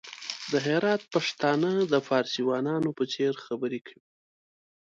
د هرات پښتانه د فارسيوانانو په څېر خبري کوي!